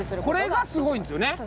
これがすごいんですよね。